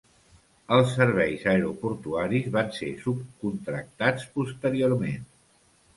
Els serveis aeroportuaris van ser subcontractats posteriorment.